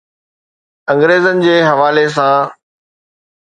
انگريزن جي حوالي سان.